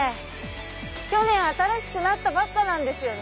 去年新しくなったばっかなんですよね。